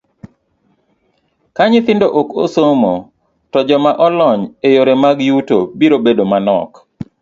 Ka nyithindo ok osomo, to joma olony e yore mag yuto biro bedo manok.